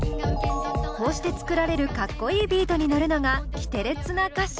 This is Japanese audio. こうして作られるかっこいいビートに乗るのがキテレツな歌詞。